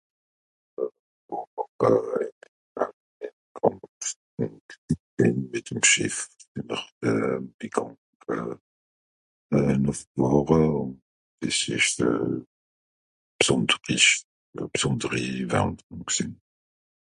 ... mit'em schìff drìwer de .. einer fàhre ùn des esch euh ... b'sonderi ... gsìn